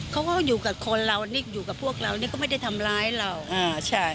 เขาก็อยู่กับคนเรานี่อยู่กับพวกเรานี่ก็ไม่ได้ทำร้ายเราอ่าใช่